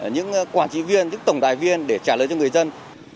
những quản trị viên những tổng đài viên để trả lời cho người dân